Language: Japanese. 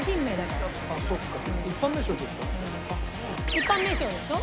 一般名称でしょ？